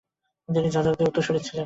তিনি যাজকদের উত্তরসূরি ছিলেন।